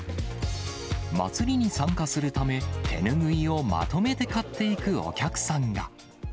祭りに参加するため、手拭いをまとめて買っていくお客さんが。